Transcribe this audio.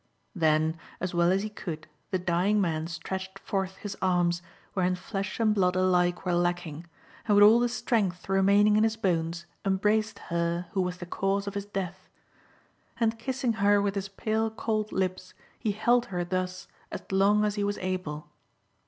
Then, as well as he could, the dying man stretched forth his arms, wherein flesh and blood FIRST T>AT: TALE IX. 19 alike were lacking, and with all the strength remaining in his bones embraced her who was the cause of his death. And kissing her with his pale cold lips, he held her thus as long as he was able.